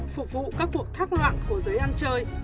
phục vụ các cuộc thác loạn của giới ăn chơi